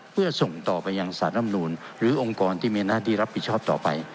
เพื่อส่งต่อไปยังสารรำนูนหรือองค์กรที่มีหน้าที่รับผิดชอบต่อไป